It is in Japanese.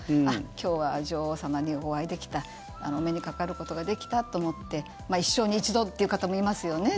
今日は女王様にお会いできたお目にかかることができたと思って一生に一度という方もいますよね